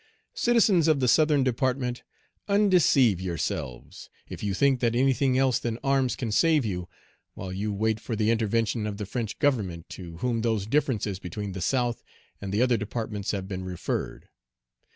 Citizens of the Southern Department, undeceive yourselves, if you think that anything else than arms can save you, while you wait for the intervention of the French Government, to whom those differences between the South and the other departments have been referred.